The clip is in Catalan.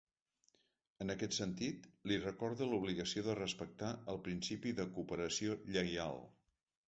En aquest sentit, li recorda l’obligació de respectar el principi de cooperació lleial.